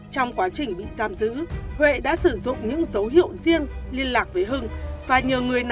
trong quá trình bị giam giữ huệ đã sử dụng những dấu hiệu riêng liên lạc với hưng